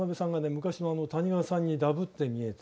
昔の谷川さんにダブって見えて。